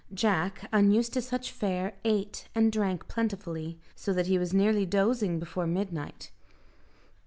Jack, unused to such fare, ate and drank plentifully, so that he was nearly dozing before midnight.